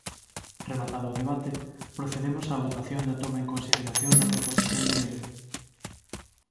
Rematado o debate, procedemos á votación da toma en consideración da proposición de lei.